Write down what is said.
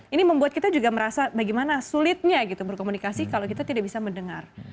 ini membuat kita juga merasa bagaimana sulitnya gitu berkomunikasi kalau kita tidak bisa mendengar